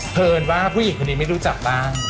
เอิญว่าผู้หญิงคนนี้ไม่รู้จักบ้าง